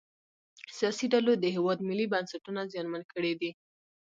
سیاسي ډلو د هیواد ملي بنسټونه زیانمن کړي دي